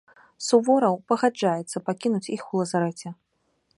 Сувораў пагаджаецца пакінуць іх у лазарэце.